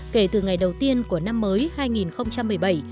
kể từ ngày đầu tiên của năm mới hai nghìn một mươi bảy